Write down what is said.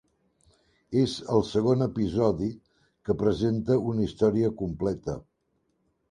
És el segon episodi que presenta una història completa.